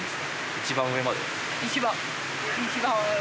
一番上まで？